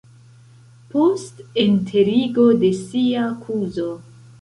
post enterigo de sia kuzo.